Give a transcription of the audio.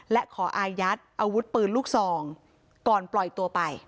และขออายัดอาวุธปืนลูกซองก่อนปล่อยตัวไป